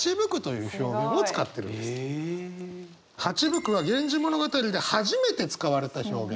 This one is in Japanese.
蜂吹くは「源氏物語」で初めて使われた表現。